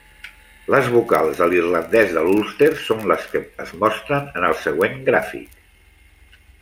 Les vocals de l'irlandès de l'Ulster són les que es mostren en el següent gràfic.